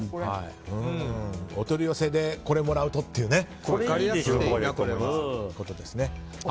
お取り寄せでこれもらうとということですね。